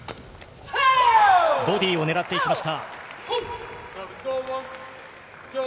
ボディを狙っていきました。